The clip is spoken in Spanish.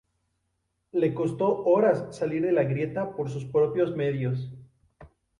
Le costó horas salir de la grieta por sus propios medios.